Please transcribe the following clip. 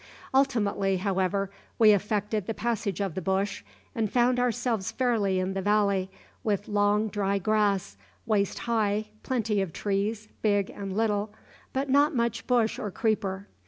"Ultimately, however, we effected the passage of the bush, and found ourselves fairly in the valley, with long dry grass, waist high, plenty of trees, big and little, but not much bush or creeper.